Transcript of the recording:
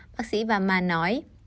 bác sĩ varma nói